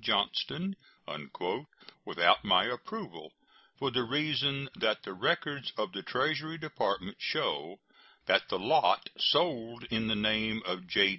Johnston," without my approval, for the reason that the records of the Treasury Department show that the lot sold in the name of J.